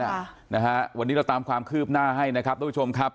ค่ะนะฮะวันนี้เราตามความคืบหน้าให้นะครับทุกผู้ชมครับ